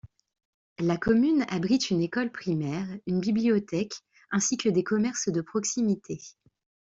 La commune abrite une école primaire, une bibliothèque ainsi que des commerces de proximité.